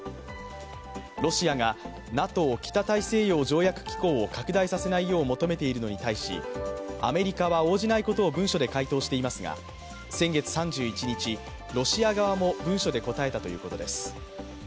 ロシアがＮＡＴＯ＝北大西洋条約機構を拡大させないよう求めているのに対し、アメリカは応じないことを文書で回答していますが、先月３１日、ロシア側も文書で答えたということです。